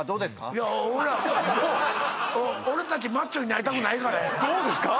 いや俺たちマッチョになりたくないからどうですか？